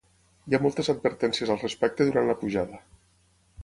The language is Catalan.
Hi ha moltes advertències al respecte durant la pujada.